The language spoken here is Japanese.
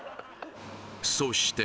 そして